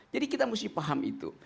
jadi kita mesti paham itu